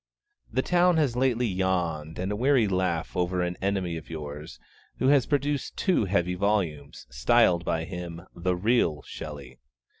The town has lately yawned a weary laugh over an enemy of yours, who has produced two heavy volumes, styled by him 'The Real Shelley.'